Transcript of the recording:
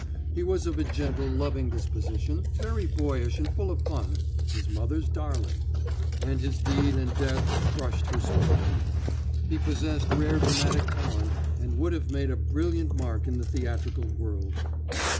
He was of a gentle, loving disposition, very boyish and full of fun his mother's darling and his deed and death crushed her spirit. He possessed rare dramatic talent, and would have made a brilliant mark in the theatrical world.